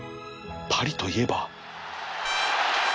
パリといえば